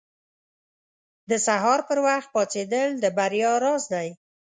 • د سهار پر وخت پاڅېدل د بریا راز دی.